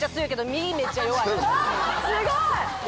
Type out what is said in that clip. すごい！